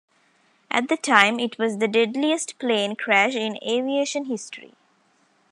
At the time, it was the deadliest plane crash in aviation history.